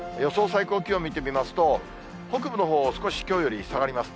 最高気温を見てみますと、北部のほう、少しきょうより下がります。